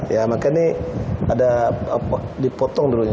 ya makanya ini ada dipotong dulunya